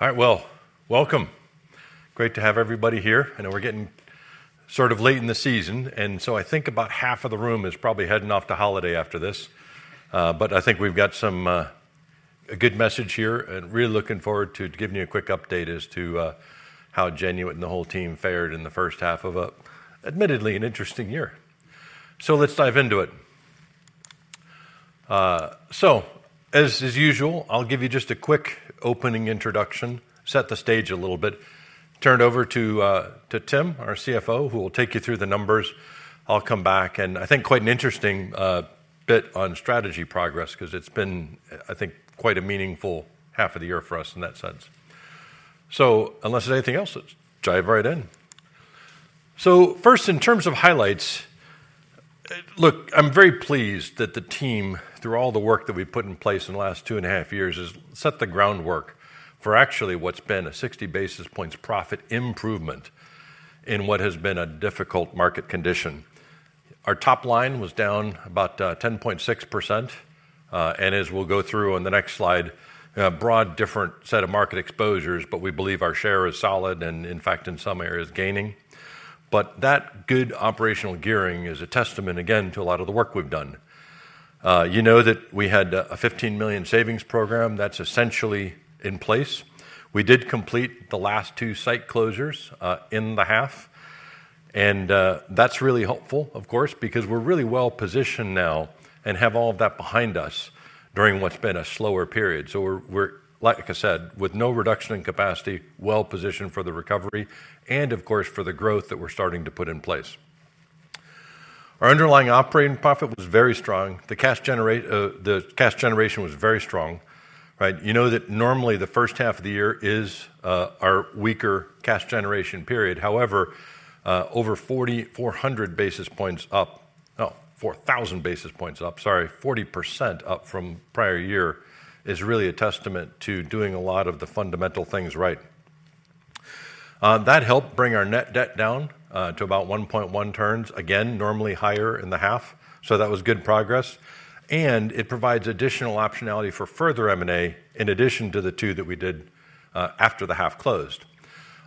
All right, well, welcome. Great to have everybody here. I know we're getting sort of late in the season, and so I think about half of the room is probably heading off to holiday after this. But I think we've got some, a good message here, and really looking forward to giving you a quick update as to how Genuit and the whole team fared in the first half of an admittedly interesting year. So let's dive into it. So as usual, I'll give you just a quick opening introduction, set the stage a little bit, turn it over to Tim, our CFO, who will take you through the numbers. I'll come back, and I think quite an interesting bit on strategy progress because it's been, I think, quite a meaningful half of the year for us in that sense. Unless there's anything else, let's dive right in. First, in terms of highlights, look, I'm very pleased that the team, through all the work that we've put in place in the last two and a half years, has set the groundwork for actually what's been a 60 basis points profit improvement in what has been a difficult market condition. Our top line was down about 10.6%. And as we'll go through on the next slide, a broad, different set of market exposures, but we believe our share is solid and, in fact, in some areas, gaining. But that good operational gearing is a testament, again, to a lot of the work we've done. You know that we had a 15 million savings program that's essentially in place. We did complete the last two site closures in the half, and that's really helpful, of course, because we're really well-positioned now and have all of that behind us during what's been a slower period. So we're, like I said, with no reduction in capacity, well-positioned for the recovery and, of course, for the growth that we're starting to put in place. Our underlying operating profit was very strong. The cash generation was very strong, right? You know that normally H1 of the year is our weaker cash generation period. However, over 4,400 basis points up... Oh, 4,000 basis points up, sorry, 40% up from prior year, is really a testament to doing a lot of the fundamental things right. That helped bring our net debt down to about 1.1 turns, again, normally higher in the half, so that was good progress, and it provides additional optionality for further M&A, in addition to the two that we did after the half closed.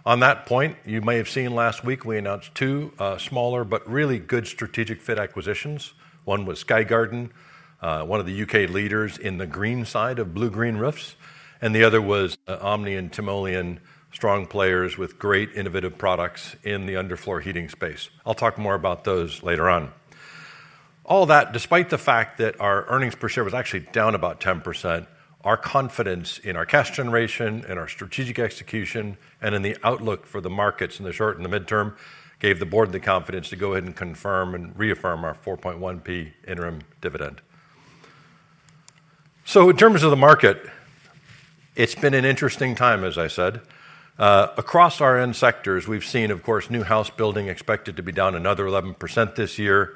On that point, you may have seen last week we announced two smaller but really good strategic fit acquisitions. One was Sky Garden, one of the U.K. leaders in the green side of blue-green roofs, and the other was Omnie and Timoleon, strong players with great innovative products in the underfloor heating space. I'll talk more about those later on. All that despite the fact that our earnings per share was actually down about 10%, our confidence in our cash generation and our strategic execution and in the outlook for the markets in the short and the midterm, gave the board the confidence to go ahead and confirm and reaffirm our 4.1p interim dividend. So in terms of the market, it's been an interesting time, as I said. Across our end sectors, we've seen, of course, new house building expected to be down another 11% this year,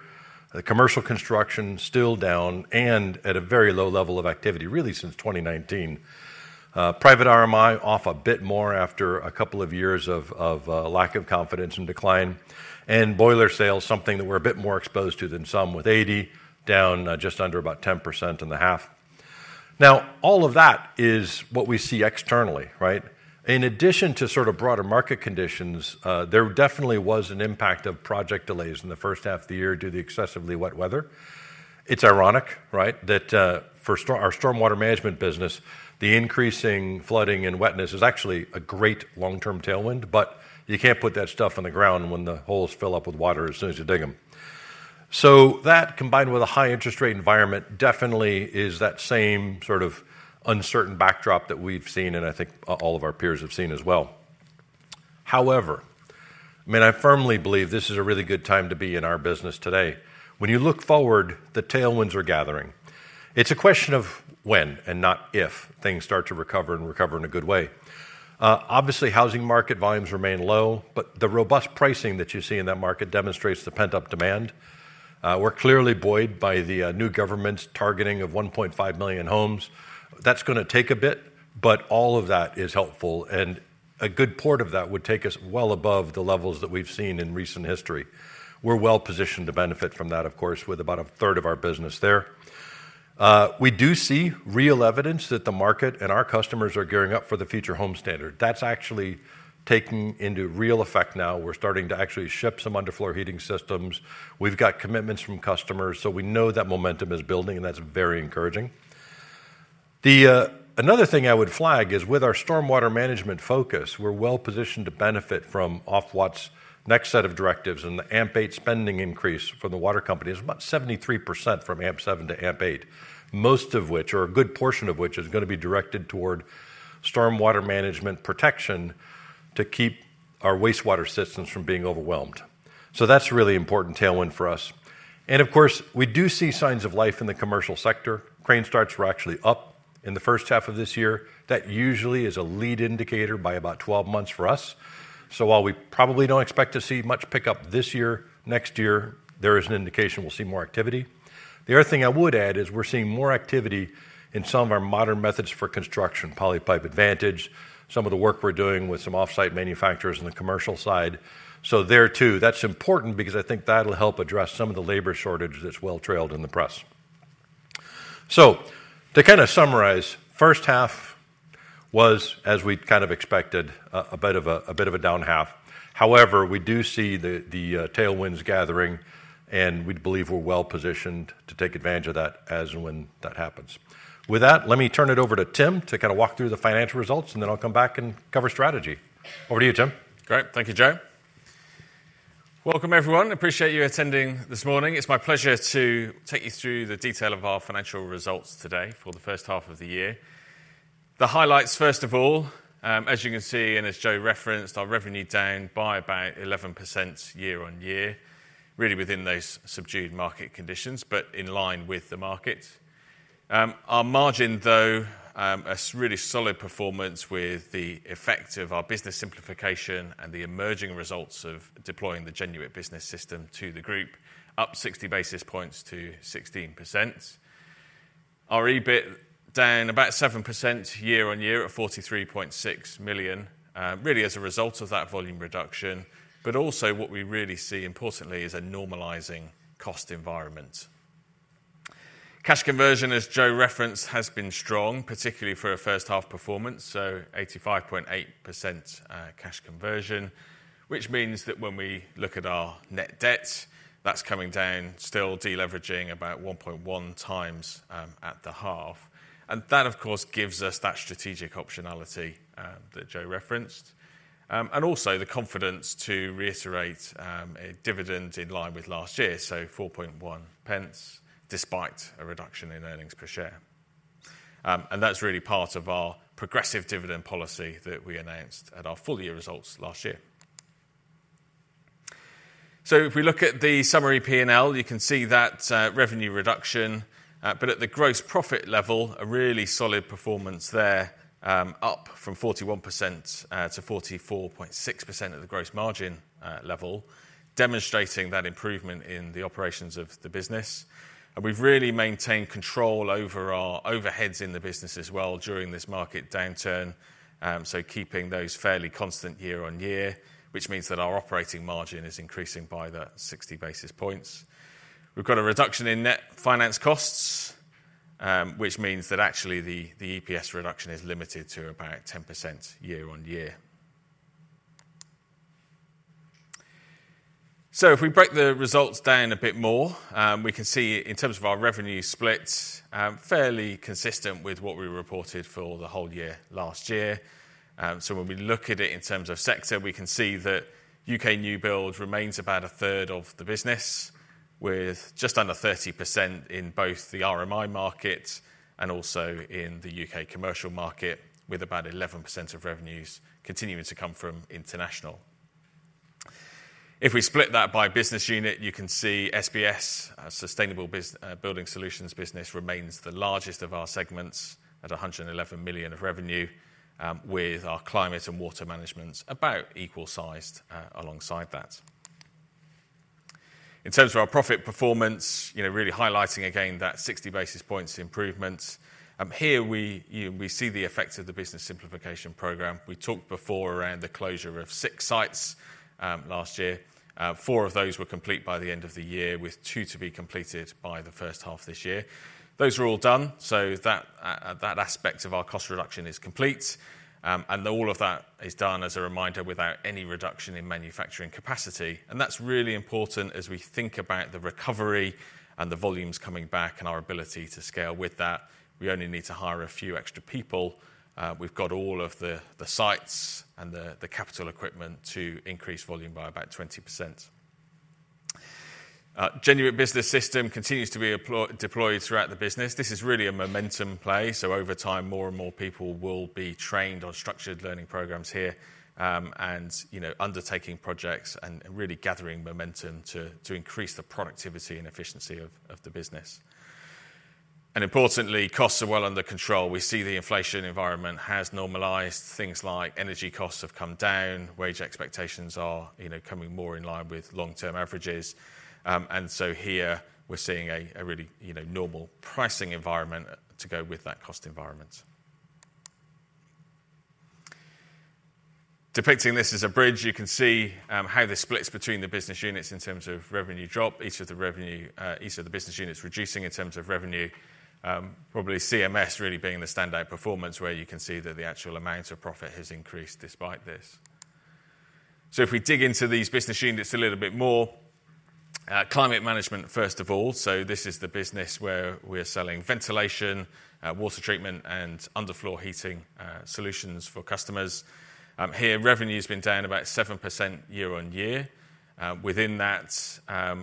the commercial construction still down and at a very low level of activity, really, since 2019. Private RMI off a bit more after a couple of years of lack of confidence and decline, and boiler sales, something that we're a bit more exposed to than some, with Adey down just under about 10% in the half. Now, all of that is what we see externally, right? In addition to sort of broader market conditions, there definitely was an impact of project delays in the first half of the year due to the excessively wet weather. It's ironic, right, that for our stormwater management business, the increasing flooding and wetness is actually a great long-term tailwind, but you can't put that stuff on the ground when the holes fill up with water as soon as you dig them. So that, combined with a high interest rate environment, definitely is that same sort of uncertain backdrop that we've seen, and I think all of our peers have seen as well. However, I mean, I firmly believe this is a really good time to be in our business today. When you look forward, the tailwinds are gathering. It's a question of when and not if things start to recover and recover in a good way. Obviously, housing market volumes remain low, but the robust pricing that you see in that market demonstrates the pent-up demand. We're clearly buoyed by the new government's targeting of 1.5 million homes. That's gonna take a bit, but all of that is helpful, and a good port of that would take us well above the levels that we've seen in recent history. We're well-positioned to benefit from that, of course, with about a third of our business there. We do see real evidence that the market and our customers are gearing up for the Future Homes Standard. That's actually taking into real effect now. We're starting to actually ship some underfloor heating systems. We've got commitments from customers, so we know that momentum is building, and that's very encouraging. Another thing I would flag is, with our stormwater management focus, we're well positioned to benefit from Ofwat's next set of directives, and the AMP8 spending increase for the water company is about 73% from AMP7 to AMP8, most of which, or a good portion of which, is gonna be directed toward stormwater management protection to keep our wastewater systems from being overwhelmed. So that's a really important tailwind for us. Of course, we do see signs of life in the commercial sector. Crane starts were actually up in the first half of this year. That usually is a lead indicator by about 12 months for us. So while we probably don't expect to see much pickup this year, next year, there is an indication we'll see more activity. The other thing I would add is we're seeing more activity in some of our modern methods for construction, Polypipe Advantage, some of the work we're doing with some off-site manufacturers on the commercial side. So there, too, that's important because I think that'll help address some of the labor shortage that's well trailed in the press. So to kind of summarize, first half was, as we kind of expected, a bit of a down half. However, we do see the tailwinds gathering, and we believe we're well-positioned to take advantage of that as and when that happens. With that, let me turn it over to Tim to kind of walk through the financial results, and then I'll come back and cover strategy. Over to you, Tim. Great. Thank you, Joe. Welcome, everyone. Appreciate you attending this morning. It's my pleasure to take you through the detail of our financial results today for the first half of the year. The highlights, first of all, as you can see, and as Joe referenced, our revenue down by about 11% year-on-year, really within those subdued market conditions, but in line with the market. Our margin, though, really solid performance with the effect of our business simplification and the emerging results of deploying the Genuit Business System to the group, up 60 basis points to 16%. Our EBIT down about 7% year-on-year at 43.6 million, really as a result of that volume reduction, but also what we really see, importantly, is a normalizing cost environment. Cash conversion, as Joe referenced, has been strong, particularly for a first-half performance, so 85.8%, cash conversion, which means that when we look at our net debt, that's coming down, still deleveraging about 1.1 times, at the half. And that, of course, gives us that strategic optionality, that Joe referenced, and also the confidence to reiterate, a dividend in line with last year, so 4.1 pence, despite a reduction in earnings per share. And that's really part of our progressive dividend policy that we announced at our full-year results last year. So if we look at the summary P&L, you can see that revenue reduction, but at the gross profit level, a really solid performance there, up from 41%-44.6% at the gross margin level, demonstrating that improvement in the operations of the business. And we've really maintained control over our overheads in the business as well during this market downturn, so keeping those fairly constant year-on-year, which means that our operating margin is increasing by the 60 basis points. We've got a reduction in net finance costs, which means that actually the, the EPS reduction is limited to about 10% year-on-year. If we break the results down a bit more, we can see in terms of our revenue split, fairly consistent with what we reported for the whole year last year. So when we look at it in terms of sector, we can see that U.K. New Build remains about a third of the business, with just under 30% in both the RMI market and also in the U.K. commercial market, with about 11% of revenues continuing to come from international. If we split that by business unit, you can see SBS, Sustainable Building Solutions business, remains the largest of our segments at 111 million of revenue, with our climate and water management about equal sized, alongside that. In terms of our profit performance, you know, really highlighting again that 60 basis points improvement. Here we see the effects of the business simplification program. We talked before around the closure of six sites last year. Four of those were complete by the end of the year, with two to be completed by the first half this year. Those are all done, so that aspect of our cost reduction is complete. And all of that is done, as a reminder, without any reduction in manufacturing capacity, and that's really important as we think about the recovery and the volumes coming back and our ability to scale with that. We only need to hire a few extra people. We've got all of the sites and the capital equipment to increase volume by about 20%. Genuit Business System continues to be deployed throughout the business. This is really a momentum play, so over time, more and more people will be trained on structured learning programs here, and, you know, undertaking projects and really gathering momentum to increase the productivity and efficiency of the business. And importantly, costs are well under control. We see the inflation environment has normalized. Things like energy costs have come down, wage expectations are, you know, coming more in line with long-term averages. And so here we're seeing a really, you know, normal pricing environment to go with that cost environment. Depicting this as a bridge, you can see how this splits between the business units in terms of revenue drop, each of the business units reducing in terms of revenue, probably CMS really being the standout performance, where you can see that the actual amount of profit has increased despite this. So if we dig into these business units a little bit more, Climate Management, first of all, so this is the business where we're selling ventilation, water treatment, and underfloor heating solutions for customers. Here, revenue's been down about 7% year-on-year. Within that,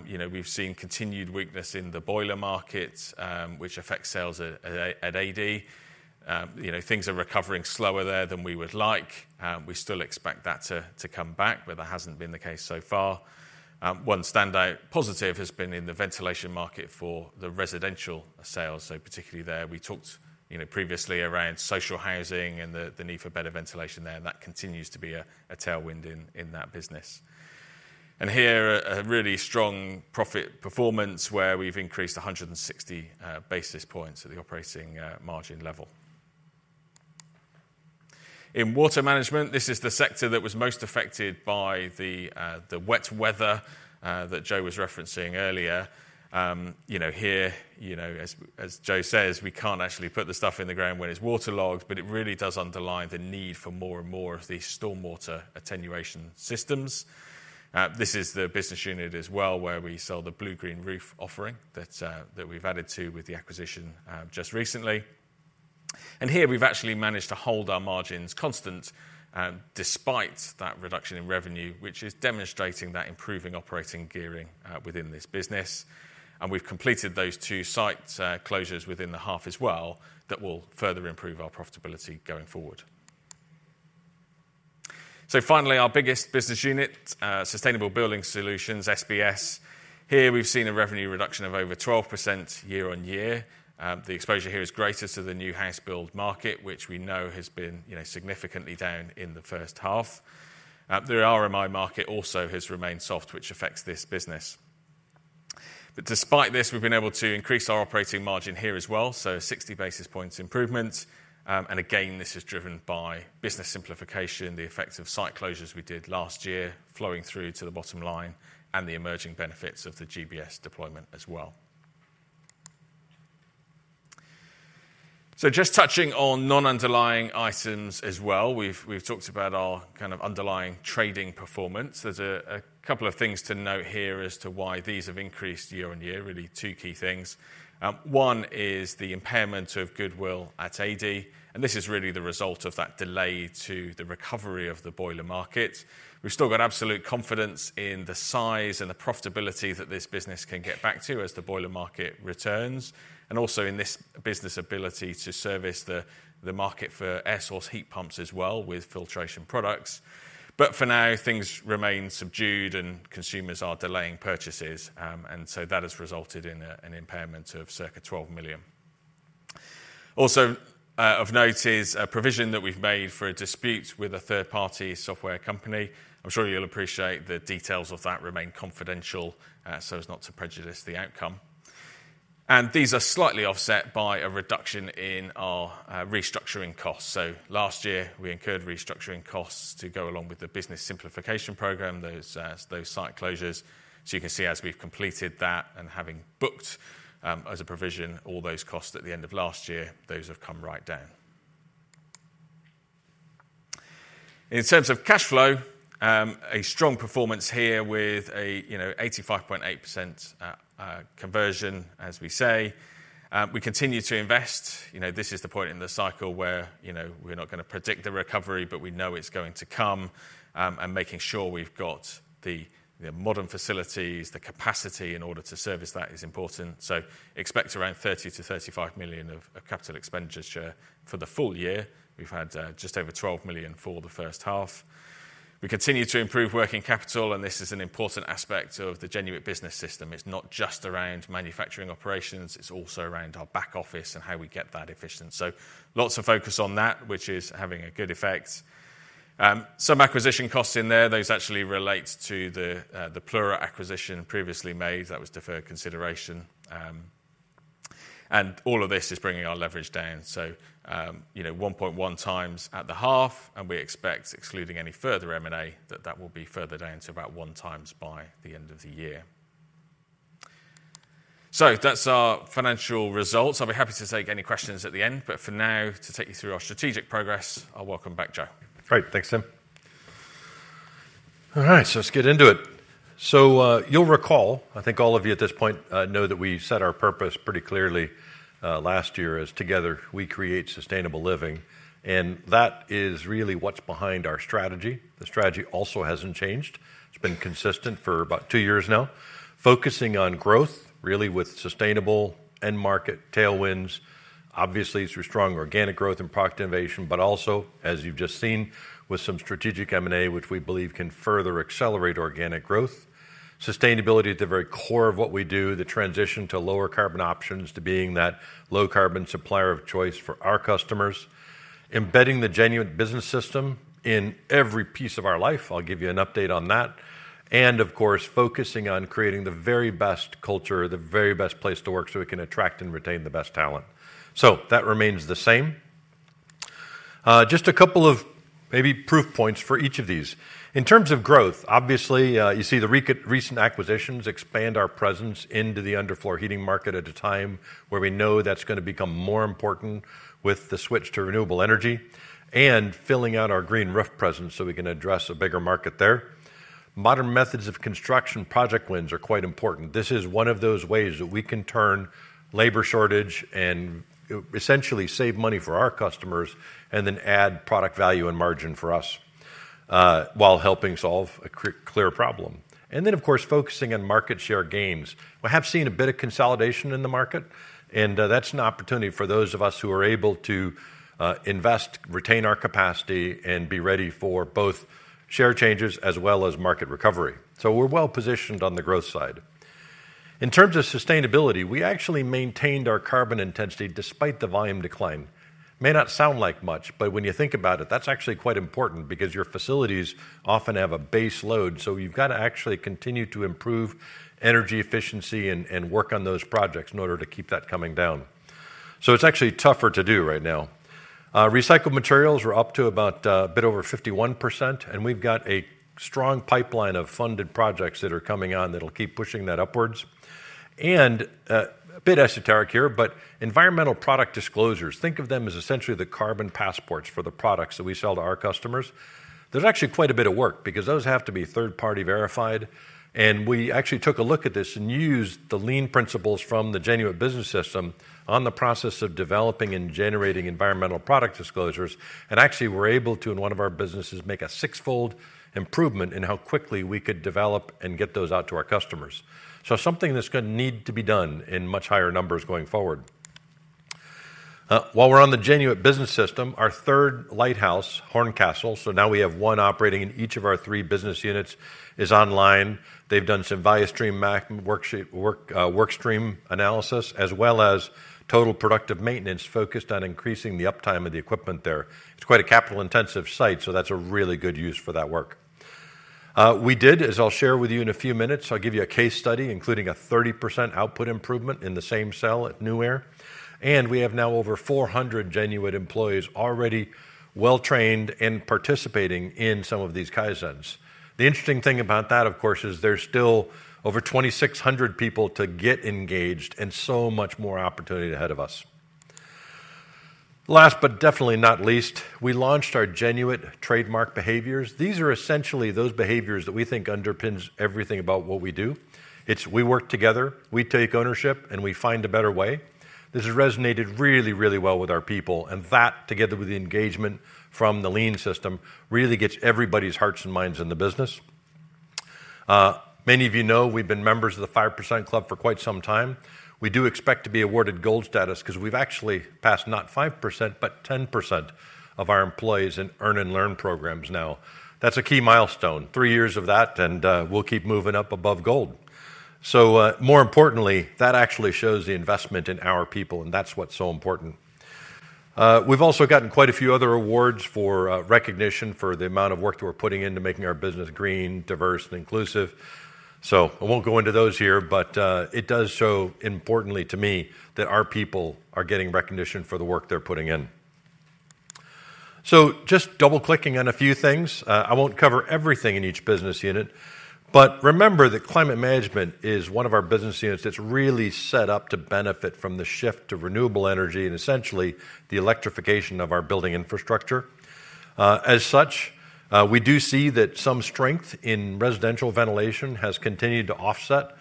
you know, we've seen continued weakness in the boiler market, which affects sales at Adey. You know, things are recovering slower there than we would like. We still expect that to come back, but that hasn't been the case so far. One standout positive has been in the ventilation market for the residential sales. So particularly there, we talked, you know, previously around social housing and the need for better ventilation there, and that continues to be a tailwind in that business. And here, a really strong profit performance where we've increased 160 basis points at the operating margin level. In water management, this is the sector that was most affected by the wet weather that Joe was referencing earlier. You know, here, you know, as Joe says, we can't actually put the stuff in the ground when it's waterlogged, but it really does underline the need for more and more of these stormwater attenuation systems. This is the business unit as well, where we sell the Blue-Green Roof offering that we've added to with the acquisition just recently. And here, we've actually managed to hold our margins constant despite that reduction in revenue, which is demonstrating that improving operating gearing within this business. And we've completed those two site closures within the half as well, that will further improve our profitability going forward. So finally, our biggest business unit, Sustainable Building Solutions, SBS. Here we've seen a revenue reduction of over 12% year-on-year. The exposure here is greatest to the new house build market, which we know has been, you know, significantly down in the first half. The RMI market also has remained soft, which affects this business. But despite this, we've been able to increase our operating margin here as well, so 60 basis points improvement. And again, this is driven by business simplification, the effect of site closures we did last year flowing through to the bottom line, and the emerging benefits of the GBS deployment as well. So just touching on non-underlying items as well. We've, we've talked about our kind of underlying trading performance. There's a, a couple of things to note here as to why these have increased year-on-year, really two key things. One is the impairment of goodwill at Adey, and this is really the result of that delay to the recovery of the boiler market. We've still got absolute confidence in the size and the profitability that this business can get back to as the boiler market returns, and also in this business' ability to service the market for air source heat pumps as well, with filtration products. But for now, things remain subdued and consumers are delaying purchases. And so that has resulted in an impairment of circa 12 million. Also, of note is a provision that we've made for a dispute with a third-party software company. I'm sure you'll appreciate the details of that remain confidential, so as not to prejudice the outcome. And these are slightly offset by a reduction in our restructuring costs. So last year, we incurred restructuring costs to go along with the business simplification program, those site closures. So you can see as we've completed that, and having booked as a provision, all those costs at the end of last year, those have come right down. In terms of cash flow, a strong performance here with a, you know, 85.8% conversion, as we say. We continue to invest. You know, this is the point in the cycle where, you know, we're not gonna predict the recovery, but we know it's going to come. And making sure we've got the modern facilities, the capacity in order to service that is important. So expect around 30-35 million of capital expenditure for the full year. We've had just over 12 million for the first half. We continue to improve working capital, and this is an important aspect of the Genuit Business System. It's not just around manufacturing operations, it's also around our back office and how we get that efficient. So lots of focus on that, which is having a good effect. Some acquisition costs in there. Those actually relate to the Plura acquisition previously made. That was deferred consideration. And all of this is bringing our leverage down. So, you know, 1.1x at the half, and we expect, excluding any further M&A, that that will be further down to about 1x by the end of the year. So that's our financial results. I'll be happy to take any questions at the end, but for now, to take you through our strategic progress, I'll welcome back Joe. Great. Thanks, Tim. All right, so let's get into it. So, you'll recall, I think all of you at this point, know that we set our purpose pretty clearly, last year as: together, we create sustainable living. And that is really what's behind our strategy. The strategy also hasn't changed. It's been consistent for about two years now. Focusing on growth, really with sustainable end market tailwinds, obviously through strong organic growth and product innovation, but also, as you've just seen, with some strategic M&A, which we believe can further accelerate organic growth. Sustainability at the very core of what we do, the transition to lower carbon options, to being that low-carbon supplier of choice for our customers. Embedding the Genuit Business System in every piece of our life. I'll give you an update on that. And of course, focusing on creating the very best culture, the very best place to work, so we can attract and retain the best talent. So that remains the same. Just a couple of maybe proof points for each of these. In terms of growth, obviously, you see the recent acquisitions expand our presence into the underfloor heating market at a time where we know that's gonna become more important with the switch to renewable energy, and filling out our green roof presence, so we can address a bigger market there. Modern methods of construction project wins are quite important. This is one of those ways that we can turn labor shortage and essentially save money for our customers, and then add product value and margin for us, while helping solve a clear problem. And then, of course, focusing on market share gains. We have seen a bit of consolidation in the market, and that's an opportunity for those of us who are able to invest, retain our capacity, and be ready for both share changes as well as market recovery. So we're well-positioned on the growth side. In terms of sustainability, we actually maintained our carbon intensity, despite the volume decline. May not sound like much, but when you think about it, that's actually quite important because your facilities often have a base load, so you've got to actually continue to improve energy efficiency and work on those projects in order to keep that coming down. So it's actually tougher to do right now. Recycled materials are up to about a bit over 51%, and we've got a strong pipeline of funded projects that are coming on that'll keep pushing that upwards. A bit esoteric here, but environmental product disclosures, think of them as essentially the carbon passports for the products that we sell to our customers. There's actually quite a bit of work because those have to be third-party verified, and we actually took a look at this and used the lean principles from the Genuit Business System on the process of developing and generating environmental product disclosures. Actually, we're able to, in one of our businesses, make a six-fold improvement in how quickly we could develop and get those out to our customers. So something that's gonna need to be done in much higher numbers going forward. While we're on the Genuit Business System, our third lighthouse, Horncastle, so now we have one operating in each of our three business units, is online. They've done some value stream work stream analysis, as well as total productive maintenance focused on increasing the uptime of the equipment there. It's quite a capital-intensive site, so that's a really good use for that work. We did, as I'll share with you in a few minutes, I'll give you a case study, including a 30% output improvement in the same cell at Nuaire. We have now over 400 Genuit employees already well-trained and participating in some of these Kaizens. The interesting thing about that, of course, is there's still over 2,600 people to get engaged and so much more opportunity ahead of us. Last, but definitely not least, we launched our Genuit trademark behaviors. These are essentially those behaviors that we think underpins everything about what we do. It's we work together, we take ownership, and we find a better way. This has resonated really, really well with our people, and that, together with the engagement from the lean system, really gets everybody's hearts and minds in the business. Many of you know, we've been members of the 5% Club for quite some time. We do expect to be awarded gold status 'cause we've actually passed not 5%, but 10% of our employees in earn and learn programs now. That's a key milestone. Three years of that, and we'll keep moving up above gold. So, more importantly, that actually shows the investment in our people, and that's what's so important. We've also gotten quite a few other awards for recognition for the amount of work that we're putting in to making our business green, diverse, and inclusive. So I won't go into those here, but, it does show importantly to me that our people are getting recognition for the work they're putting in. So just double-clicking on a few things. I won't cover everything in each business unit, but remember that climate management is one of our business units that's really set up to benefit from the shift to renewable energy and essentially the electrification of our building infrastructure. As such, we do see that some strength in residential ventilation has continued to offset,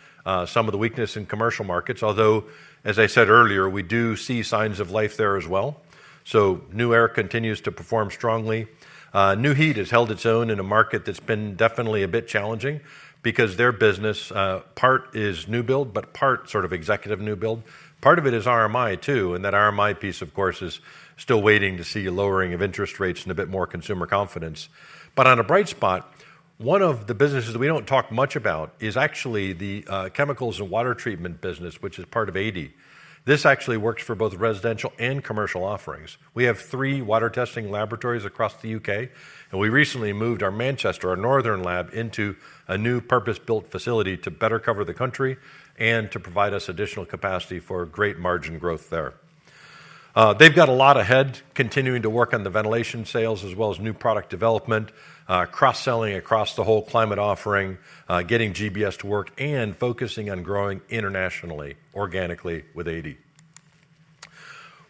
some of the weakness in commercial markets, although, as I said earlier, we do see signs of life there as well. So Nuaire continues to perform strongly. Nu-Heat has held its own in a market that's been definitely a bit challenging because their business, part is new build, but part sort of executive new build. Part of it is RMI, too, and that RMI piece, of course, is still waiting to see a lowering of interest rates and a bit more consumer confidence. But on a bright spot, one of the businesses that we don't talk much about is actually the chemicals and water treatment business, which is part of Adey. This actually works for both residential and commercial offerings. We have three water testing laboratories across the U.K., and we recently moved our Manchester, our northern lab, into a new purpose-built facility to better cover the country and to provide us additional capacity for great margin growth there. They've got a lot ahead, continuing to work on the ventilation sales as well as new product development, cross-selling across the whole climate offering, getting GBS to work, and focusing on growing internationally, organically with Adey.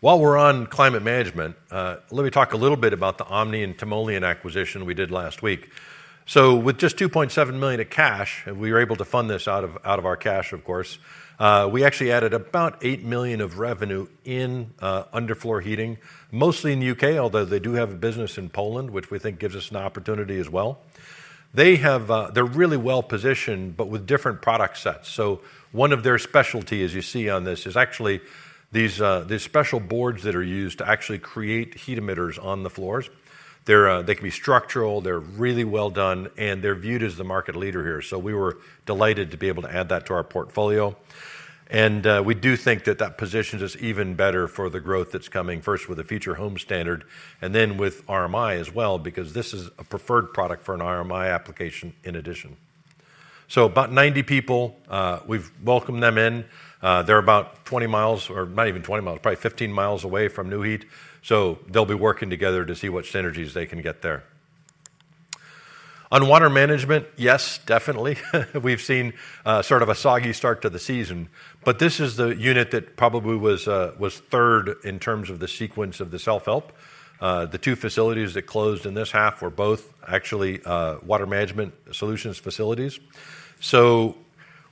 While we're on climate management, let me talk a little bit about the OMNIE and Timoleon acquisition we did last week. So with just 2.7 million of cash, and we were able to fund this out of our cash, of course, we actually added about 8 million of revenue in underfloor heating, mostly in the U.K., although they do have a business in Poland, which we think gives us an opportunity as well. They have... They're really well-positioned, but with different product sets. So one of their specialty, as you see on this, is actually these special boards that are used to actually create heat emitters on the floors. They're, they can be structural, they're really well done, and they're viewed as the market leader here. So we were delighted to be able to add that to our portfolio. We do think that that positions us even better for the growth that's coming, first with the Future Homes Standard and then with RMI as well, because this is a preferred product for an RMI application in addition. So about 90 people, we've welcomed them in. They're about 20mi, or not even 20mi, probably 15mi away from Nu-Heat, so they'll be working together to see what synergies they can get there. On water management, yes, definitely, we've seen, sort of a soggy start to the season, but this is the unit that probably was third in terms of the sequence of the self-help. The two facilities that closed in this half were both actually water management solutions facilities. So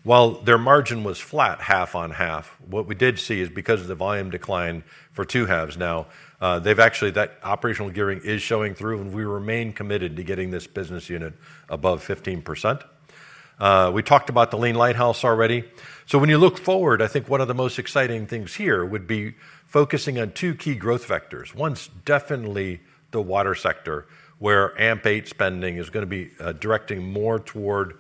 while their margin was flat, half on half, what we did see is because of the volume decline for two halves now, they've actually, that operational gearing is showing through, and we remain committed to getting this business unit above 15%. We talked about the Lean Lighthouse already. So when you look forward, I think one of the most exciting things here would be focusing on two key growth vectors. One's definitely the water sector, where AMP8 spending is gonna be directing more toward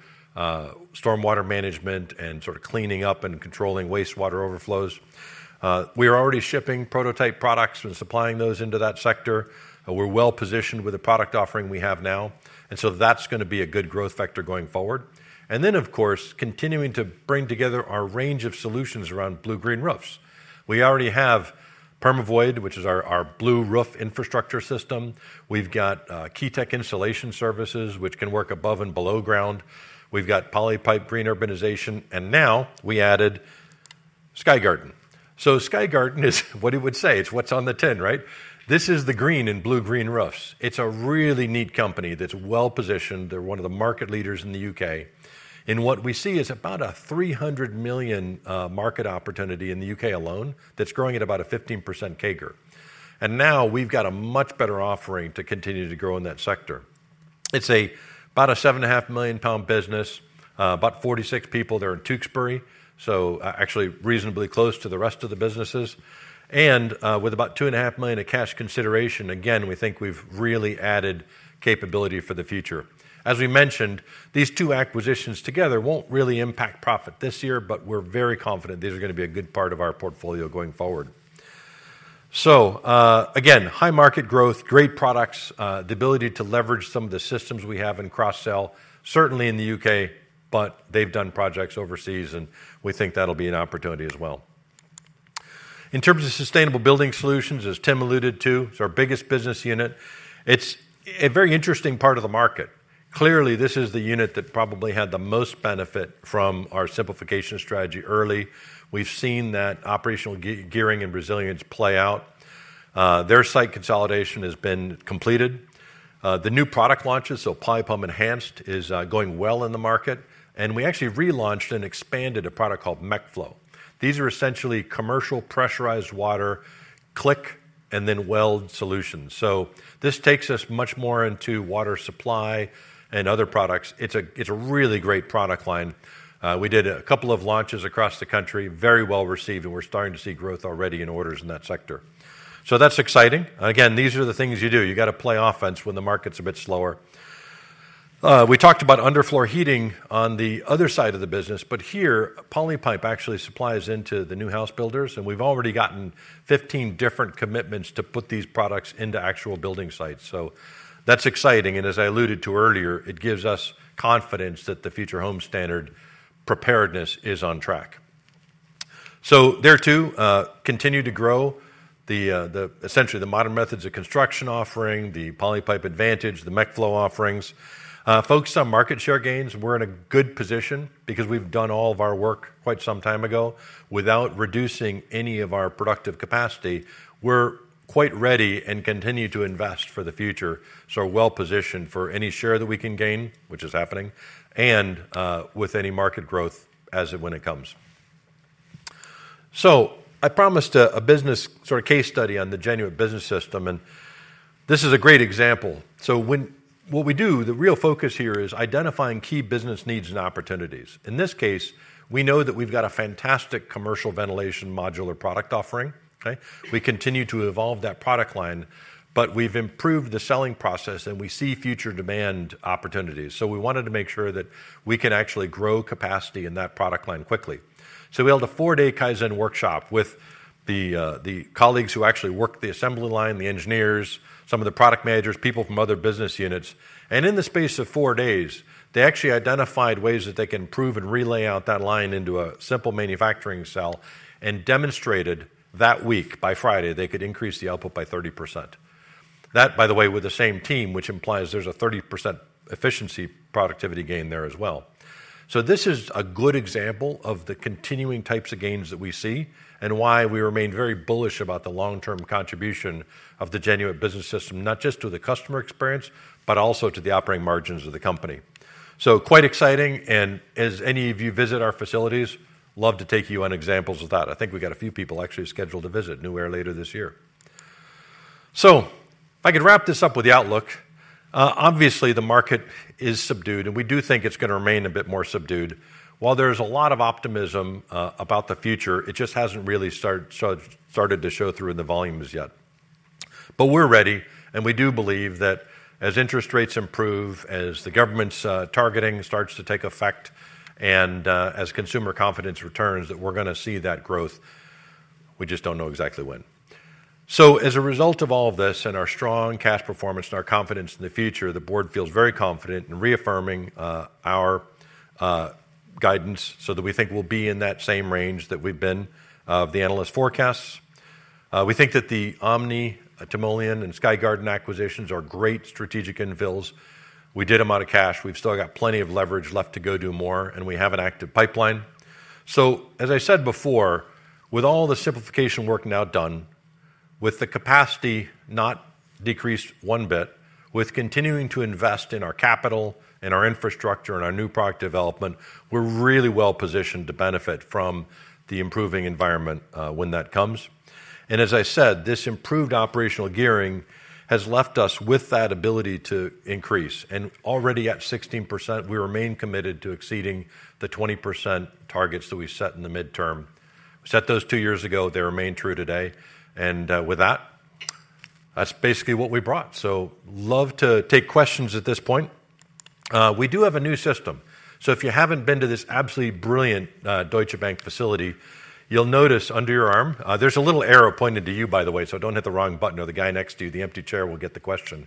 storm water management and sort of cleaning up and controlling wastewater overflows. We are already shipping prototype products and supplying those into that sector. We're well-positioned with the product offering we have now, and so that's gonna be a good growth vector going forward. Then, of course, continuing to bring together our range of solutions around blue-green roofs. We already have Permavoid, which is our, our blue roof infrastructure system. We've got Keytec Installation Services, which can work above and below ground. We've got Polypipe Green Urbanization, and now we added Sky Garden. So Sky Garden is what it would say, it's what's on the tin, right? This is the green in blue-green roofs. It's a really neat company that's well-positioned. They're one of the market leaders in the U.K., and what we see is about a 300 million market opportunity in the U.K. alone, that's growing at about a 15% CAGR. And now we've got a much better offering to continue to grow in that sector. It's about a 7.5 million pound business, about 46 people there in Tewkesbury, so, actually reasonably close to the rest of the businesses. With about 2.5 million of cash consideration, again, we think we've really added capability for the future. As we mentioned, these two acquisitions together won't really impact profit this year, but we're very confident these are gonna be a good part of our portfolio going forward. So, again, high market growth, great products, the ability to leverage some of the systems we have and cross-sell, certainly in the U.K., but they've done projects overseas, and we think that'll be an opportunity as well. In terms of sustainable building solutions, as Tim alluded to, it's our biggest business unit. It's a very interesting part of the market. Clearly, this is the unit that probably had the most benefit from our simplification strategy early. We've seen that operational gearing and resilience play out. Their site consolidation has been completed. The new product launches, so PolyPlumb Enhanced is going well in the market, and we actually relaunched and expanded a product called MechFlow. These are essentially commercial pressurized water and then weld solutions. So this takes us much more into water supply and other products. It's a really great product line. We did a couple of launches across the country, very well-received, and we're starting to see growth already in orders in that sector. So that's exciting, and again, these are the things you do. You gotta play offense when the market's a bit slower. We talked about underfloor heating on the other side of the business, but here, Polypipe actually supplies into the new house builders, and we've already gotten 15 different commitments to put these products into actual building sites. So that's exciting, and as I alluded to earlier, it gives us confidence that the Future Homes Standard preparedness is on track. So there, too, continue to grow the essentially the modern methods of construction offering, the Polypipe Advantage, the MechFlow offerings. Focus on market share gains, we're in a good position because we've done all of our work quite some time ago without reducing any of our productive capacity. We're quite ready and continue to invest for the future, so we're well-positioned for any share that we can gain, which is happening, and with any market growth when it comes. So I promised a business sort of case study on the Genuit Business System, and this is a great example. What we do, the real focus here is identifying key business needs and opportunities. In this case, we know that we've got a fantastic commercial ventilation modular product offering, okay? We continue to evolve that product line, but we've improved the selling process, and we see future demand opportunities. So we wanted to make sure that we can actually grow capacity in that product line quickly. So we held a four-day Kaizen workshop with the colleagues who actually work the assembly line, the engineers, some of the product managers, people from other business units. In the space of four days, they actually identified ways that they can improve and re-lay out that line into a simple manufacturing cell and demonstrated that week, by Friday, they could increase the output by 30%. That, by the way, with the same team, which implies there's a 30% efficiency productivity gain there as well. So this is a good example of the continuing types of gains that we see and why we remain very bullish about the long-term contribution of the Genuit Business System, not just to the customer experience, but also to the operating margins of the company. So quite exciting, and as any of you visit our facilities, love to take you on examples of that. I think we got a few people actually scheduled to visit Nuaire later this year. So if I could wrap this up with the outlook, obviously, the market is subdued, and we do think it's gonna remain a bit more subdued. While there's a lot of optimism about the future, it just hasn't really started, started to show through in the volumes yet. But we're ready, and we do believe that as interest rates improve, as the government's targeting starts to take effect, and, as consumer confidence returns, that we're gonna see that growth. We just don't know exactly when. So as a result of all of this and our strong cash performance and our confidence in the future, the board feels very confident in reaffirming our guidance so that we think we'll be in that same range that we've been of the analyst forecasts. We think that the OMNIE, Timoleon, and Sky Garden acquisitions are great strategic infills. We did them out of cash. We've still got plenty of leverage left to go do more, and we have an active pipeline. So, as I said before, with all the simplification work now done, with the capacity not decreased one bit, with continuing to invest in our capital and our infrastructure and our new product development, we're really well-positioned to benefit from the improving environment, when that comes. And as I said, this improved operational gearing has left us with that ability to increase, and already at 16%, we remain committed to exceeding the 20% targets that we set in the midterm. We set those two years ago, they remain true today, and with that, that's basically what we brought. So love to take questions at this point. We do have a new system, so if you haven't been to this absolutely brilliant, Deutsche Bank facility, you'll notice under your arm, there's a little arrow pointed to you, by the way, so don't hit the wrong button, or the guy next to you, the empty chair, will get the question.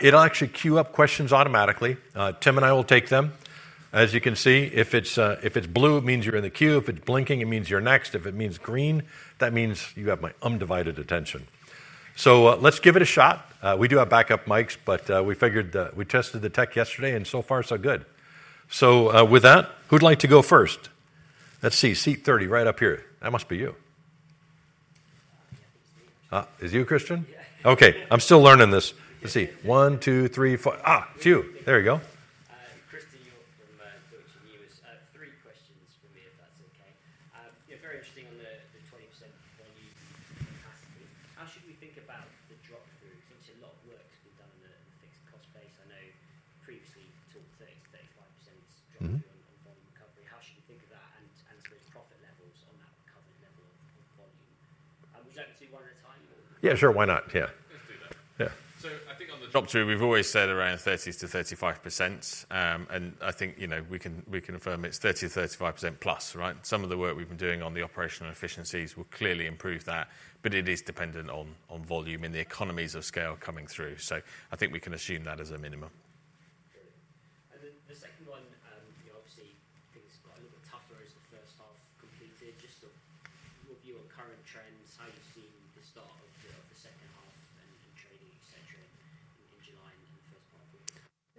It'll actually queue up questions automatically. Tim and I will take them. As you can see, if it's, if it's blue, it means you're in the queue. If it's blinking, it means you're next. If it means green, that means you have my undivided attention. So, let's give it a shot. We do have backup mics, but, we figured, we tested the tech yesterday, and so far, so good. So, with that, who'd like to go first? Let's see, seat 30, right up here. That must be you... Is you Christen? Yeah. Okay, I'm still learning this. Yeah. Let's see. 1, 2, 3, 4. Ah, 2! There we go.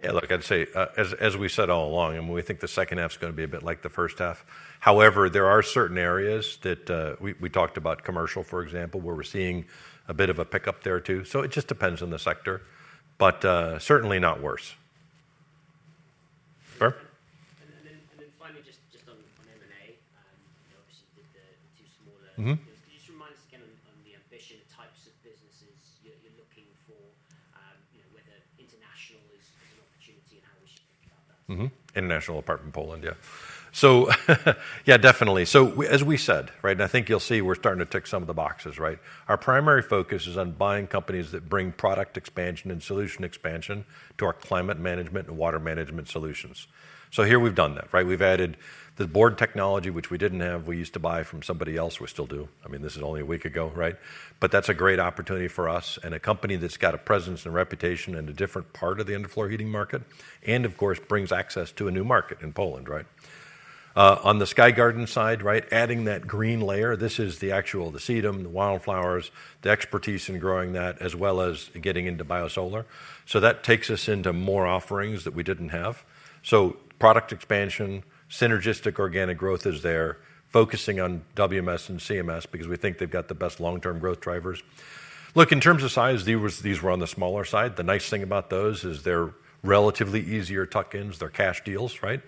Great. And then the second one, you know, obviously, things got a little bit tougher as the first half completed. Just, what are your current trends, how you've seen the start of H2 and in trading, et cetera, in July and in the first half of the year? Yeah, look, I'd say, as we said all along, and we think the second half is gonna be a bit like the first half. However, there are certain areas that we talked about commercial, for example, where we're seeing a bit of a pickup there, too. So it just depends on the sector, but certainly not worse. Sir? And then, and then finally, just, just on, on M&A, you know, obviously, with the two smaller- So here we've done that, right? We've added the board technology, which we didn't have. We used to buy from somebody else. We still do. I mean, this is only a week ago, right? But that's a great opportunity for us and a company that's got a presence and reputation in a different part of the underfloor heating market, and of course, brings access to a new market in Poland, right? On the Sky Garden side, right, adding that green layer, this is the actual, the sedum, the wildflowers, the expertise in growing that, as well as getting into Biosolar. So that takes us into more offerings that we didn't have. So product expansion, synergistic organic growth is there, focusing on WMS and CMS because we think they've got the best long-term growth drivers. Look, in terms of size, these were on the smaller side. The nice thing about those is they're relatively easier tuck-ins. They're cash deals, right?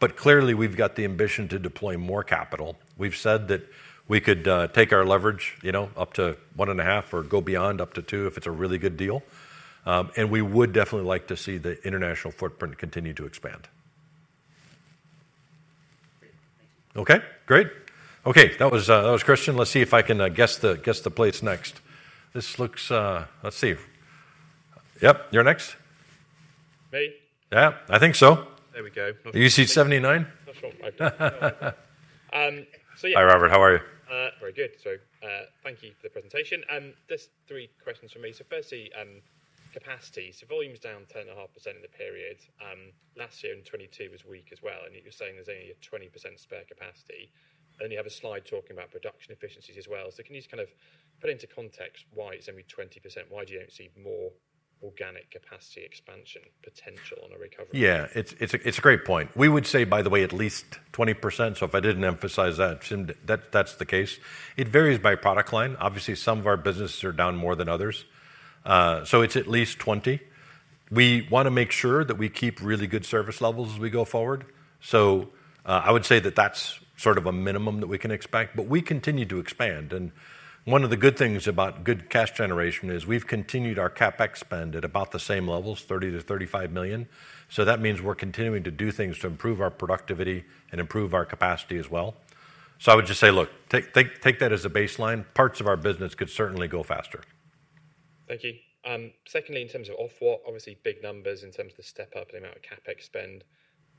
But clearly, we've got the ambition to deploy more capital. We've said that we could take our leverage, you know, up to 1.5, or go beyond up to 2 if it's a really good deal. And we would definitely like to see the international footprint continue to expand. Great. Thank you. Okay, great. Okay, that was Christen. Let's see if I can guess the place next. This looks... Let's see. Yep, you're next. Me? Yeah, I think so. There we go. Seat 79. That's wrong. So yeah. Hi, Robert. How are you? Very good. So, thank you for the presentation, and just three questions from me. So firstly, capacity. So volume is down 10.5% in the period. Last year in 2022 was weak as well, and you're saying there's only a 20% spare capacity. Then you have a slide talking about production efficiencies as well. So can you just kind of put into context why it's only 20%? Why do you don't see more organic capacity expansion potential on a recovery? Yeah, it's, it's a, it's a great point. We would say, by the way, at least 20%. So if I didn't emphasize that, shouldn't-- that, that's the case. It varies by product line. Obviously, some of our businesses are down more than others. So it's at least 20%. We wanna make sure that we keep really good service levels as we go forward. So, I would say that that's sort of a minimum that we can expect, but we continue to expand, and one of the good things about good cash generation is we've continued our CapEx spend at about the same levels, 30-35 million. So that means we're continuing to do things to improve our productivity and improve our capacity as well. So I would just say, look, take, take, take that as a baseline. Parts of our business could certainly go faster. Thank you. Secondly, in terms of Ofwat, obviously, big numbers in terms of the step-up and the amount of CapEx spend.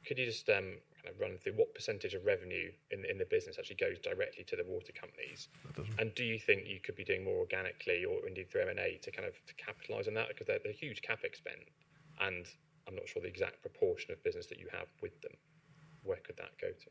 Could you just, kind of run through what percentage of revenue in the business actually goes directly to the water companies? That does- Do you think you could be doing more organically or indeed through M&A to kind of capitalize on that? Because they're huge CapEx spend, and I'm not sure the exact proportion of business that you have with them. Where could that go to?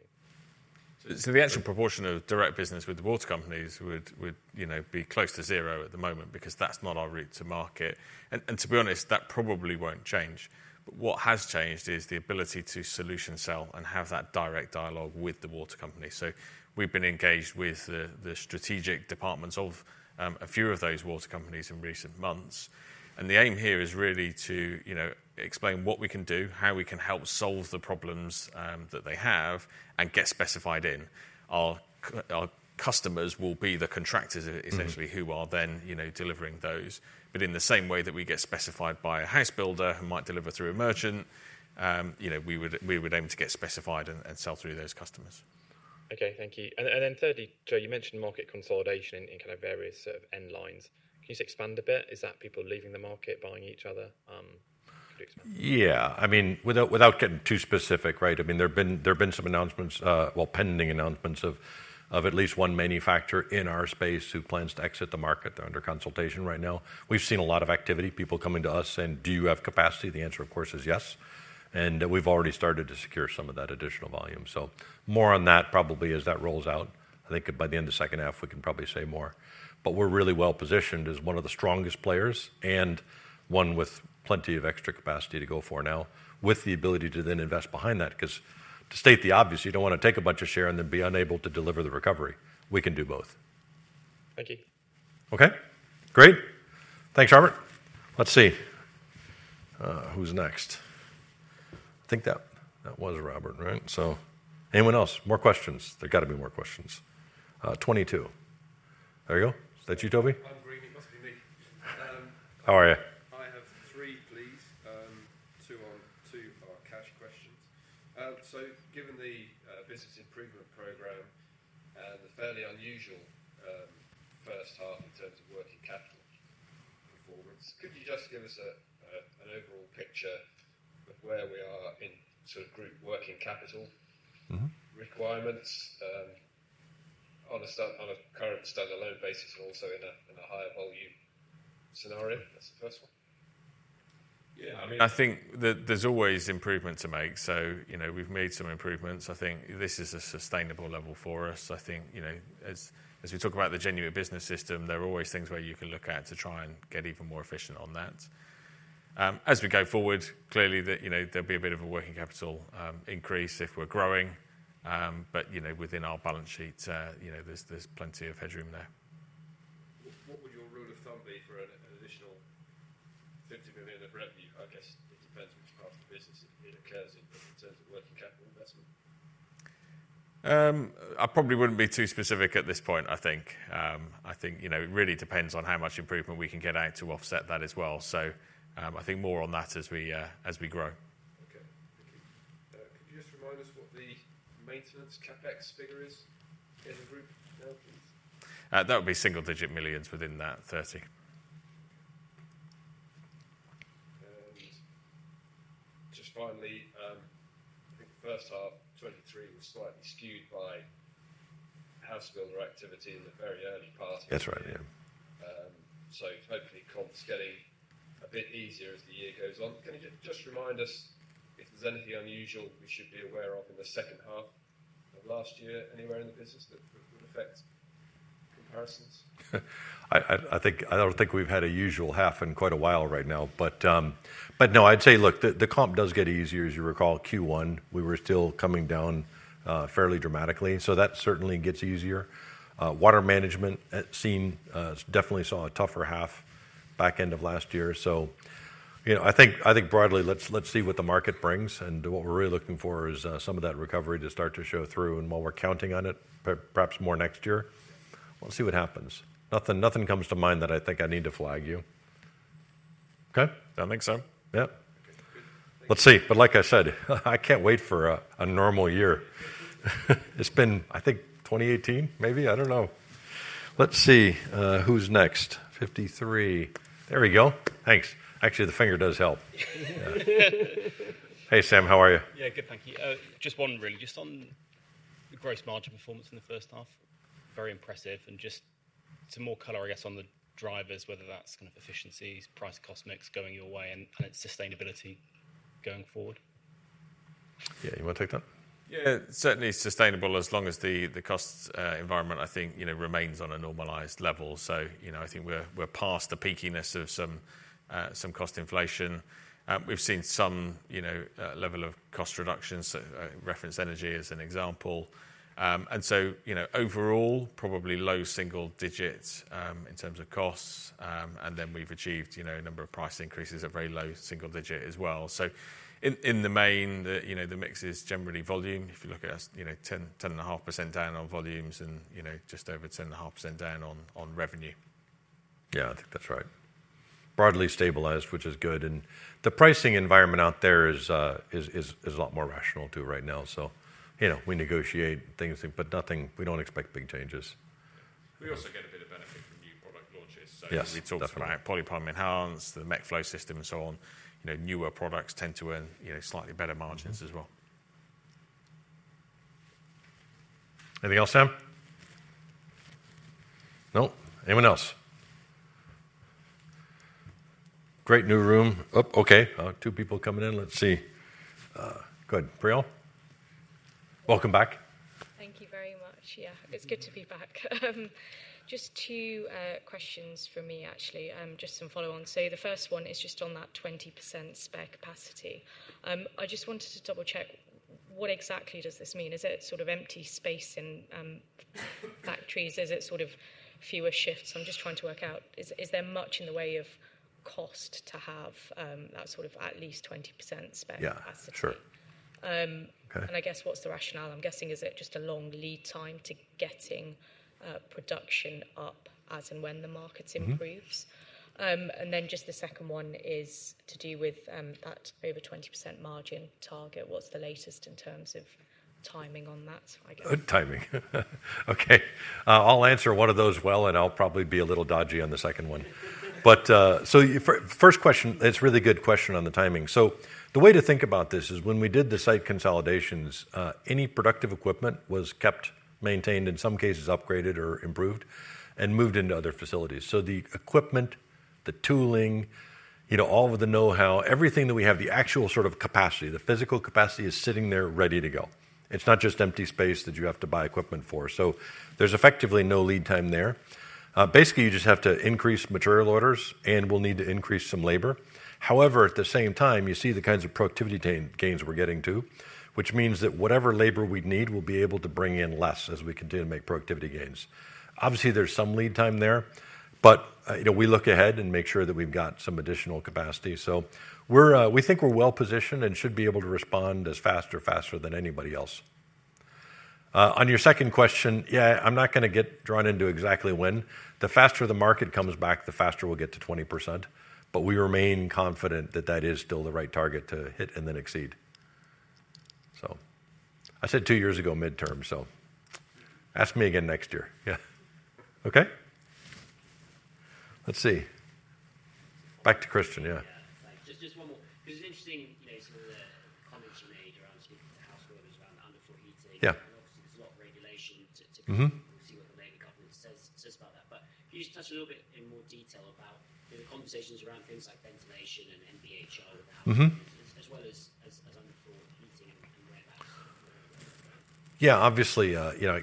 So the actual proportion of direct business with the water companies would, you know, be close to zero at the moment because that's not our route to market. And to be honest, that probably won't change. But what has changed is the ability to solution sell and have that direct dialogue with the water company. So we've been engaged with the strategic departments of a few of those water companies in recent months, and the aim here is really to, you know, explain what we can do, how we can help solve the problems that they have, and get specified in. Our customers will be the contractors- Mm-hmm... essentially, who are then, you know, delivering those. But in the same way that we get specified by a house builder who might deliver through a merchant, you know, we would, we would aim to get specified and, and sell through those customers. Okay, thank you. And then thirdly, Joe, you mentioned market consolidation in kind of various sort of end lines. Can you just expand a bit? Is that people leaving the market, buying each other, could you expand? Yeah. I mean, without getting too specific, right? I mean, there have been some announcements, well, pending announcements of at least one manufacturer in our space who plans to exit the market. They're under consultation right now. We've seen a lot of activity, people coming to us, saying: "Do you have capacity?" The answer, of course, is yes, and we've already started to secure some of that additional volume. So more on that, probably as that rolls out. I think by the end of H2, we can probably say more. But we're really well-positioned as one of the strongest players and one with plenty of extra capacity to go for now, with the ability to then invest behind that, 'cause to state the obvious, you don't wanna take a bunch of share and then be unable to deliver the recovery. We can do both. Thank you. Okay, great. Thanks, Robert. Let's see... Who's next? I think that was Robert, right? So anyone else? More questions. There's gotta be more questions. 22. There you go. Is that you, Toby? I'm green, it must be me. How are you? I have three, please. Two on, two are cash questions. So given the business improvement program and the fairly unusual first half in terms of working capital performance, could you just give us a, a, an overall picture of where we are in sort of group working capital? Mm-hmm... requirements, on a current standalone basis, and also in a higher volume scenario? That's the first one. Yeah, I mean, I think that there's always improvement to make. So, you know, we've made some improvements. I think this is a sustainable level for us. I think, you know, as we talk about the Genuit Business System, there are always things where you can look at to try and get even more efficient on that. As we go forward, clearly, the, you know, there'll be a bit of a working capital increase if we're growing. But, you know, within our balance sheet, you know, there's plenty of headroom there. What would your rule of thumb be for an additional GBP 50 million of revenue? I guess it depends which part of the business it occurs in, but in terms of working capital investment. I probably wouldn't be too specific at this point, I think. I think, you know, it really depends on how much improvement we can get out to offset that as well. So, I think more on that as we, as we grow. Okay. Thank you. Could you just remind us what the maintenance CapEx figure is in the group now, please? would be 19 million within that 30. Just finally, I think the first half 2023 was slightly skewed by house builder activity in the very early part. That's right, yeah. Hopefully, comp's getting a bit easier as the year goes on. Can you just remind us if there's anything unusual we should be aware of in the second half of last year, anywhere in the business that would affect comparisons? I think—I don't think we've had a usual half in quite a while right now. But no, I'd say, look, the comp does get easier. As you recall, Q1, we were still coming down fairly dramatically, so that certainly gets easier. Water management, it seemed definitely saw a tougher half back end of last year. So, you know, I think, I think broadly, let's see what the market brings, and what we're really looking for is some of that recovery to start to show through, and while we're counting on it, perhaps more next year. We'll see what happens. Nothing comes to mind that I think I need to flag you. Okay? I think so. Yeah. Okay, good. Let's see. But like I said, I can't wait for a normal year. It's been, I think, 2018, maybe. I don't know. Let's see, who's next? 53. There we go. Thanks. Actually, the finger does help. Hey, Sam, how are you? Yeah, good, thank you. Just wondering, just on the gross margin performance in the first half, very impressive, and just some more color, I guess, on the drivers, whether that's kind of efficiencies, price, cost mix going your way and, and its sustainability going forward? Yeah, you wanna take that? Yeah, certainly sustainable as long as the costs environment, I think, you know, remains on a normalized level. So, you know, I think we're past the peakiness of some cost inflation. We've seen some, you know, level of cost reductions, reference energy as an example. And so, you know, overall, probably low single digits in terms of costs, and then we've achieved, you know, a number of price increases at very low single digit as well. So in the main, the, you know, the mix is generally volume. If you look at us, you know, 10%-10.5% down on volumes and, you know, just over 10.5% down on revenue. Yeah, I think that's right. Broadly stabilized, which is good, and the pricing environment out there is a lot more rational too right now. So, you know, we negotiate things, but nothing... We don't expect big changes. We also get a bit of benefit from new product launches. Yes, definitely. So we talked about PolyPlumb Enhanced, the MechFlow system, and so on. You know, newer products tend to earn, you know, slightly better margins as well. Anything else, Sam? Nope. Anyone else? Great new room. Oh, okay, two people coming in. Let's see. Go ahead, Priyal. Welcome back. Thank you very much. Yeah, it's good to be back. Just two questions from me, actually, just some follow on. So the first one is just on that 20% spare capacity. I just wanted to double-check, what exactly does this mean? Is it sort of empty space in factories? Is it sort of fewer shifts? I'm just trying to work out, is there much in the way of cost to have that sort of at least 20% spare capacity? Yeah, sure. Um- Okay. I guess, what's the rationale? I'm guessing, is it just a long lead time to getting production up as and when the market improves? Mm-hmm. And then just the second one is to do with that over 20% margin target. What's the latest in terms of timing on that, I guess? Good timing. Okay, I'll answer one of those well, and I'll probably be a little dodgy on the second one. But, so first question, it's a really good question on the timing. So the way to think about this is when we did the site consolidations, any productive equipment was kept, maintained, in some cases, upgraded or improved, and moved into other facilities. So the equipment, the tooling, you know, all of the know-how, everything that we have, the actual sort of capacity, the physical capacity is sitting there ready to go. It's not just empty space that you have to buy equipment for. So there's effectively no lead time there. Basically, you just have to increase material orders, and we'll need to increase some labor. However, at the same time, you see the kinds of productivity gain, gains we're getting to, which means that whatever labor we'd need, we'll be able to bring in less as we continue to make productivity gains. Obviously, there's some lead time there, but, you know, we look ahead and make sure that we've got some additional capacity. So we're, we think we're well-positioned and should be able to respond as fast or faster than anybody else.... On your second question, yeah, I'm not gonna get drawn into exactly when. The faster the market comes back, the faster we'll get to 20%, but we remain confident that that is still the right target to hit and then exceed. So I said two years ago, midterm, so ask me again next year. Yeah. Okay? Let's see. Back to Christen, yeah. Yeah, just, just one more, 'cause it's interesting, you know, some of the comments you made around speaking to householders around underfloor heating. Yeah. Obviously, there's a lot of regulation to- Mm-hmm -to see what the Labour government says about that. But can you just touch a little bit in more detail about the conversations around things like ventilation and MVHR- Mm-hmm as well as underfloor heating and whereabouts? Yeah, obviously, you know,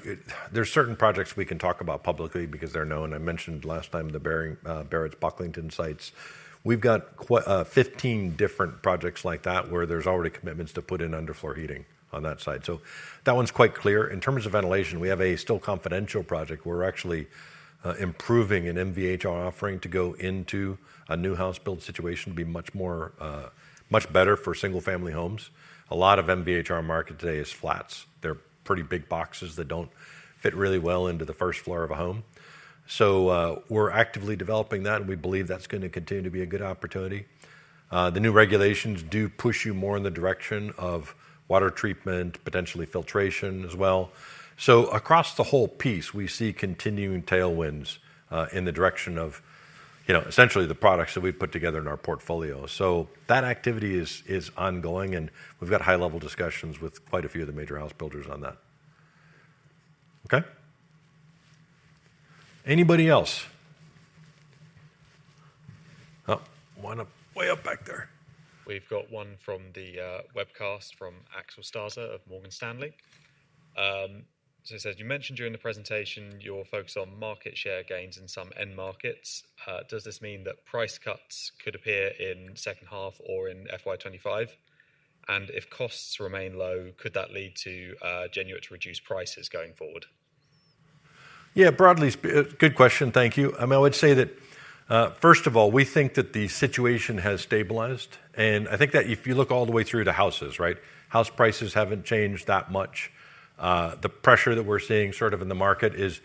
there are certain projects we can talk about publicly because they're known. I mentioned last time the Barratt's Pocklington sites. We've got 15 different projects like that, where there's already commitments to put in underfloor heating on that site. So that one's quite clear. In terms of ventilation, we have a still confidential project, we're actually improving an MVHR offering to go into a new house build situation, be much more, much better for single-family homes. A lot of MVHR market today is flats. They're pretty big boxes that don't fit really well into the first floor of a home. So, we're actively developing that, and we believe that's gonna continue to be a good opportunity. The new regulations do push you more in the direction of water treatment, potentially filtration as well. So across the whole piece, we see continuing tailwinds in the direction of, you know, essentially the products that we've put together in our portfolio. So that activity is ongoing, and we've got high-level discussions with quite a few of the major house builders on that. Okay? Anybody else? One up, way up back there. We've got one from the webcast from Cedar Ekblom of Morgan Stanley. So it says: You mentioned during the presentation your focus on market share gains in some end markets. Does this mean that price cuts could appear in second half or in FY2025? And if costs remain low, could that lead to Genuit reduced prices going forward? Yeah, broadly, good question. Thank you. I mean, I would say that, first of all, we think that the situation has stabilized, and I think that if you look all the way through to houses, right? House prices haven't changed that much. The pressure that we're seeing sort of in the market is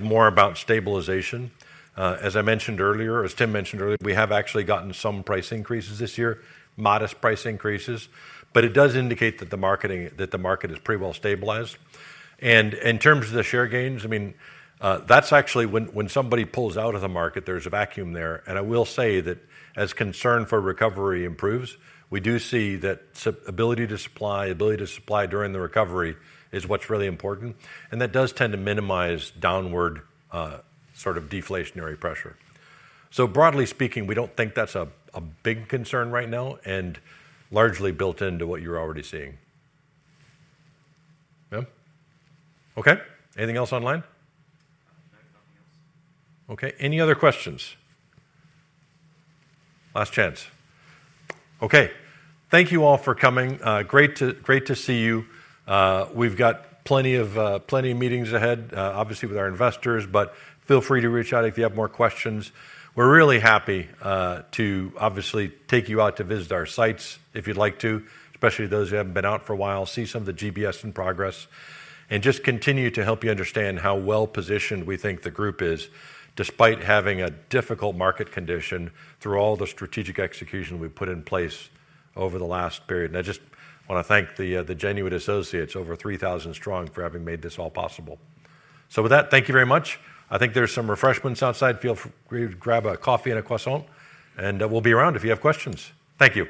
more about stabilization. As I mentioned earlier, as Tim mentioned earlier, we have actually gotten some price increases this year, modest price increases, but it does indicate that the market is pretty well stabilized. And in terms of the share gains, I mean, that's actually when somebody pulls out of the market, there's a vacuum there. I will say that as concern for recovery improves, we do see that ability to supply, ability to supply during the recovery is what's really important, and that does tend to minimize downward sort of deflationary pressure. So broadly speaking, we don't think that's a big concern right now and largely built into what you're already seeing. Yeah. Okay, anything else online? No, nothing else. Okay, any other questions? Last chance. Okay. Thank you all for coming. Great to, great to see you. We've got plenty of, plenty of meetings ahead, obviously, with our investors, but feel free to reach out if you have more questions. We're really happy to obviously take you out to visit our sites if you'd like to, especially those who haven't been out for a while, see some of the GBS in progress, and just continue to help you understand how well-positioned we think the group is, despite having a difficult market condition through all the strategic execution we've put in place over the last period. And I just wanna thank the, the Genuit associates, over 3,000 strong, for having made this all possible. So with that, thank you very much. I think there are some refreshments outside. Feel free to grab a coffee and a croissant, and we'll be around if you have questions. Thank you.